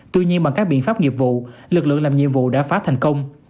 tuy nhiên bằng các biện pháp nghiệp vụ lực lượng làm nhiệm vụ đã phá thành công